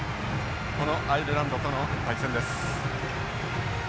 このアイルランドとの対戦です。